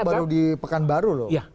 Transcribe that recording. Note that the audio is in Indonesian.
baru di pekanbaru loh